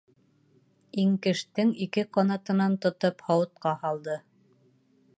Иңкештең ике ҡанатынан тотоп һауытҡа һалды.